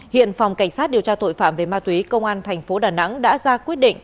hiện phòng cảnh sát điều tra tội phạm về ma túy công an thành phố đà nẵng đã ra quyết định